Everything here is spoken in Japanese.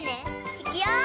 いくよ！